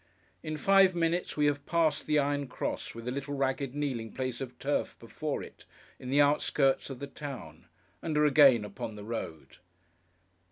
In five minutes we have passed the iron cross, with a little ragged kneeling place of turf before it, in the outskirts of the town; and are again upon the road.